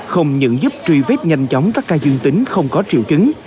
không những giúp truy vết nhanh chóng các ca dương tính không có triệu chứng